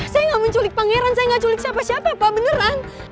saya gak menculik pangeran saya gak menculik siapa siapa pak beneran